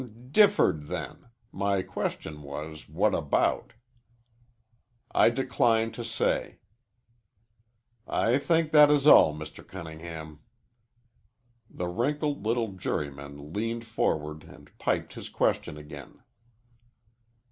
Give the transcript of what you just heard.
"Differed, then. My question was, what about?" "I decline to say." "I think that is all, Mr. Cunningham." The wrinkled little juryman leaned forward and piped his question again.